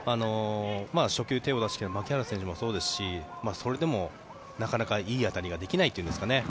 初球、手を出した牧原選手もそうですしそれでも、なかなかいい当たりができないというんですかね。